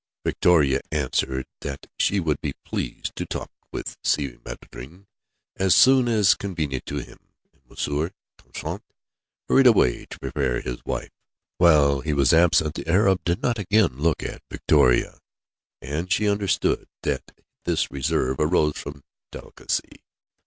Victoria answered that she would be pleased to talk with Si Maïeddine as soon as convenient to him, and Monsieur Constant hurried away to prepare his wife. While he was absent the Arab did not again look at Victoria, and she understood that this reserve arose from delicacy.